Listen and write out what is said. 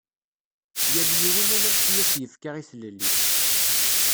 Yal yiwen anamek i as-yefka i tlelli.